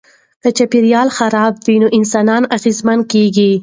که چاپیریال خراب وي نو انسانان اغېزمن کیږي.